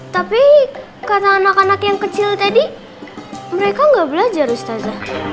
tapi karena anak anak yang kecil tadi mereka nggak belajar ustazah